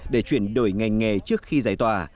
để chuyển đổi ngành nghề trước khi giải tỏa